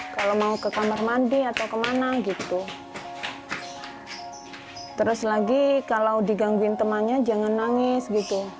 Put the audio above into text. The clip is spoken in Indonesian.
kalau mau ke kamar mandi atau kemana gitu terus lagi kalau digangguin temannya jangan nangis gitu